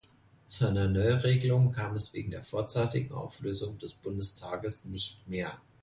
Zu einer Neuregelung kam es wegen der vorzeitigen Auflösung des Bundestags nicht mehr.